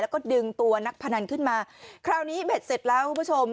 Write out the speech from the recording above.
แล้วก็ดึงตัวนักพนันขึ้นมาคราวนี้เบ็ดเสร็จแล้วคุณผู้ชม